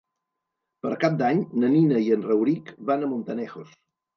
Per Cap d'Any na Nina i en Rauric van a Montanejos.